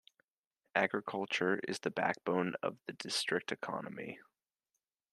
Agriculture is the backbone of the district economy.